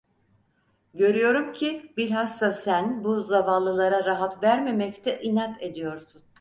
Görüyorum ki bilhassa sen bu zavallılara rahat vermemekte inat ediyorsun.